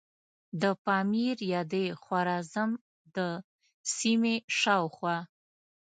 د پامیر یا د خوارزم د سیمې شاوخوا.